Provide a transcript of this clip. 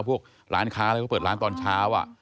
พวกร้านค้าอะไรก็เปิดร้านตอนเช้า